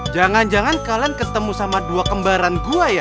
jangan jangan kalian ketemu sama dua kembaran gue ya